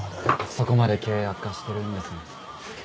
そこまで経営悪化してるんですね。